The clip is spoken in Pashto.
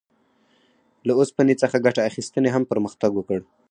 له اوسپنې څخه ګټې اخیستنې هم پرمختګ وکړ.